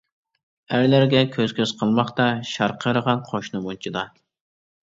ئەرلەرگە كۆز-كۆز قىلماقتا شارقىرىغان قوشنا مۇنچىدا.